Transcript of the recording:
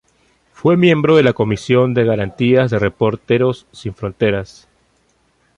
Fue miembro de la Comisión de Garantías de Reporteros Sin Fronteras.